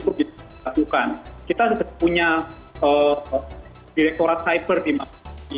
kita sudah punya direkturat cyber di mapi